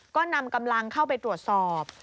ก็นำกำลังเข้าไปตรวจสอบ